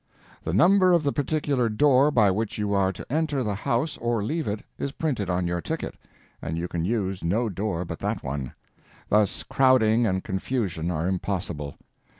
The number of the particular door by which you are to enter the house or leave it is printed on your ticket, and you can use no door but that one. Thus, crowding and confusion are impossible.